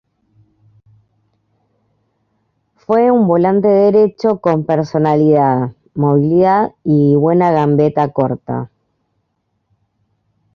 Fue un volante derecho con personalidad, movilidad y buena gambeta corta.